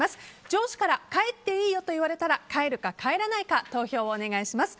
上司から「帰っていいよ」と言われたら帰るか帰らないか投票をお願いします。